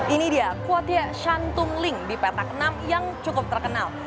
ini dia kuotie shantung ling di patak enam yang cukup terkenal